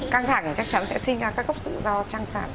căng thẳng chắc chắn sẽ sinh ra các gốc tự do trăng trẳng